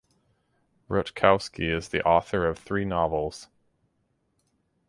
Rutkowski is the author of three novels.